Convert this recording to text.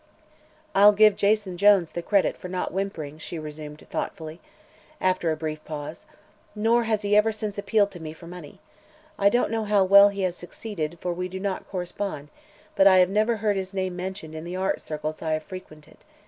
"I'll give Jason Jones the credit for not whimpering," she resumed thoughtfully, after a brief pause, "nor has he ever since appealed to me for money. I don't know how well he has succeeded, for we do not correspond, but I have never heard his name mentioned in the art circles I have frequented.